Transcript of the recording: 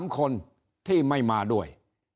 ๓คนที่ไม่มาด้วย